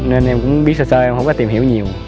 nên em cũng biết sơ em không có tìm hiểu nhiều